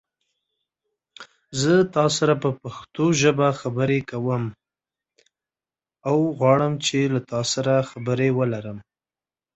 The initial watch was to stay in the North Arabian Sea.